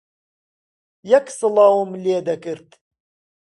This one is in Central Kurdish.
یەک سڵاوم لێ دەکرد